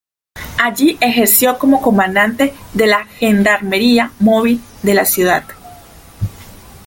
Allí ejerció como Comandante de la Gendarmería Móvil de la Ciudad.